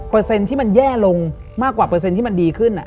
เปอร์เซ็นต์ที่มันแย่ลงมากกว่าเปอร์เซ็นต์ที่มันดีขึ้น